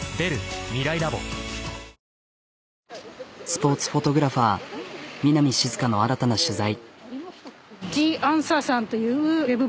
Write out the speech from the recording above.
スポーツフォトグラファー南しずかの新たな取材。